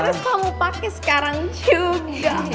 terus kamu pakai sekarang juga